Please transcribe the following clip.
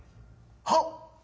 はっ！